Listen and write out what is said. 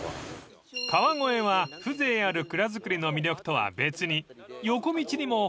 ［川越は風情ある蔵造りの魅力とは別に］